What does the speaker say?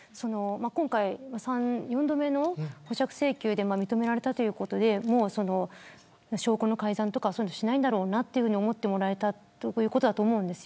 今回４度目の保釈請求で認められたということで証拠の改ざんとかしないんだろうなと思ってもらえたということだと思うんです。